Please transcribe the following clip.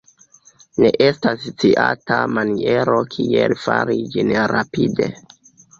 Ne estas sciata maniero kiel fari ĝin rapide.